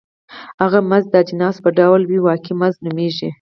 هغه مزد چې د اجناسو په ډول وي واقعي مزد نومېږي